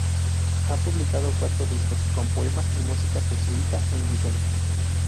Ha publicado cuatro discos con poemas y música jesuítica e indígena.